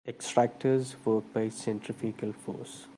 Extractors work by centrifugal force.